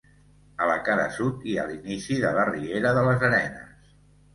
A la cara sud hi ha l'inici de la riera de les Arenes.